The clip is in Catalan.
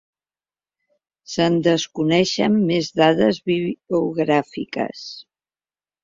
Se'n desconeixen més dades biogràfiques.